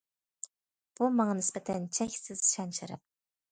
بۇ ماڭا نىسبەتەن چەكسىز شان- شەرەپ.